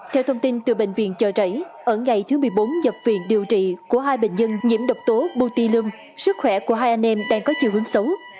theo thông tin từ bệnh viện chợ rẫy ở ngày thứ một mươi bốn nhập viện điều trị của hai bệnh nhân nhiễm độc tố butil sức khỏe của hai anh em đang có chiều hướng xấu